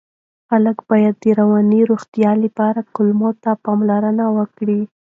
خلک باید د رواني روغتیا لپاره کولمو ته پاملرنه وکړي.